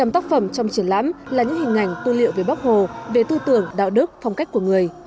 hai trăm linh tác phẩm trong triển lãm là những hình ảnh tu liệu về bắc hồ về tư tưởng đạo đức phong cách của người